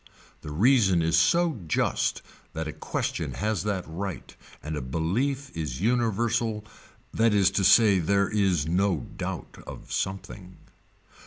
The reason is so just that a question has that right and a belief is universal that is to say there is no doubt of something.